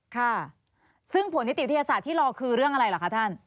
ค่ะซึ่งผลนิติวิทยาศาสตร์ที่รอคือเรื่องอะไรเหรอคะท่าน